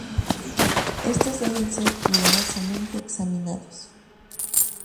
Estos deben ser cuidadosamente examinados.